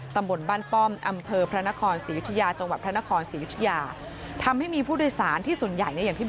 ตำบลบ้านป้อมอำเภอ